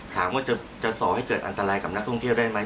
ถามว่าจะส่อให้เกิดอันตรายกับนักท่องเที่ยวได้ไหม